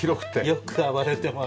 よく暴れてます。